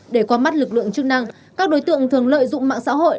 để qua mắt lực lượng chức năng các đối tượng thường lợi dụng mạng xã hội